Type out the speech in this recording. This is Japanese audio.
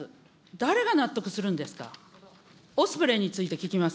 誰が納得するんですか、オスプレイについて聞きます。